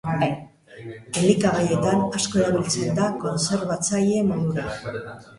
Elikagaietan asko erabiltzen da kontserbatzaile modura.